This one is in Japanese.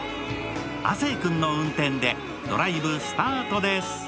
亜生君の運転でドライブスタートです。